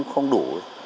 nó không đủ